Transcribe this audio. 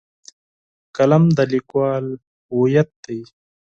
قلم د لیکوال هویت دی.